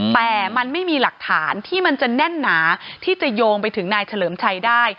แต่มันไม่มีหลักฐานที่มันจะแน่นหนาที่จะโยงไปถึงนายเฉลิมชัยได้